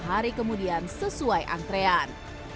hari kemudian sesuai antrean